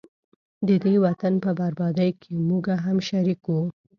ددې وطن په بربادۍ کي موږه هم شریک وو